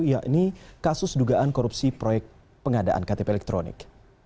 yakni kasus dugaan korupsi proyek pengadaan ktp elektronik